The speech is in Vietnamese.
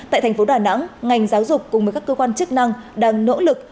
tại thành phố đà nẵng ngành giáo dục cùng với các cơ quan chức năng đang nỗ lực